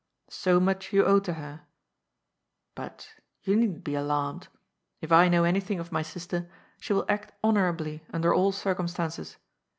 So much you owe to her, but you needn't be alarmed. If I know anjrthing of my sister, she will act honorably under all circumstances.